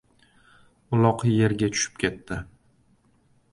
Uloq yerga tushib ketdi.